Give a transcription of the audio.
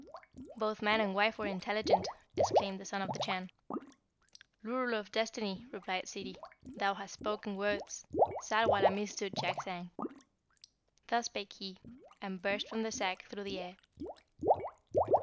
"Both man and wife were intelligent," exclaimed the Son of the Chan. "Ruler of Destiny," replied Ssidi, "thou hast spoken words! Ssarwala missdood jakzang!" Thus spake he, and burst from the sack through the air.